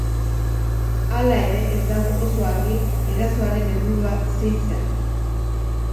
Hala ere, ez dago oso argi erasoaren helburua zein zen.